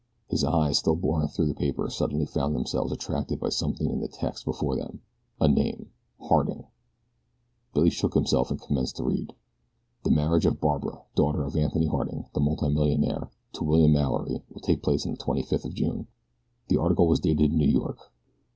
His eyes still boring through the paper suddenly found themselves attracted by something in the text before them a name, Harding. Billy Byrne shook himself and commenced to read: The marriage of Barbara, daughter of Anthony Harding, the multimillionaire, to William Mallory will take place on the twenty fifth of June. The article was dated New York.